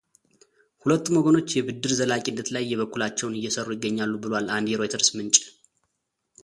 ሁለቱም ወገኖች የብድር ዘላቂነት ላይ የበኩላቸውን እየሰሩ ይገኛሉ ብሏል አንድ የሮይተርስ ምንጭ።